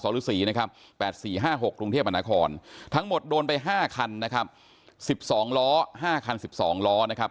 ๑๒ล้อ๕คัน๑๒ล้อนะครับ